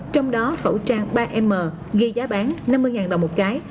trong đó khẩu trang ba m ghi giá bán năm mươi đồng một cái